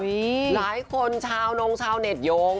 หลายคนชาวนงชาวเน็ตโยง